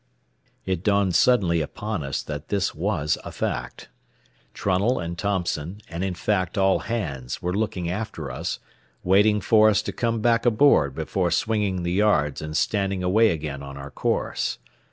It dawned suddenly upon us that this was a fact. Trunnell and Thompson, and in fact all hands, were looking after us, waiting for us to come back aboard before swinging the yards and standing away again on our course.